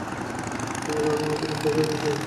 তবে আর বিলম্বে প্রয়োজন কী?